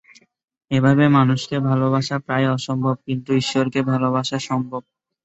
এভাবে মানুষকে ভালবাসা প্রায় অসম্ভব, কিন্তু ঈশ্বরকে ভালবাসা সম্ভব।